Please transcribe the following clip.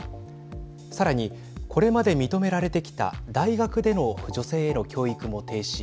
さらにこれまで認められてきた大学での女性への教育も停止。